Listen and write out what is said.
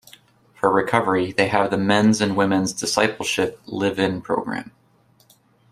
For recovery they have the Men's and Women's Discipleship live in program.